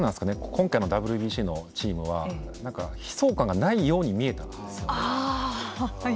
今回のＷＢＣのチームは悲壮感がないように見えたんですよ。